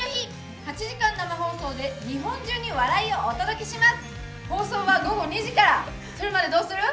８時間生放送で日本中に笑いをお届けします。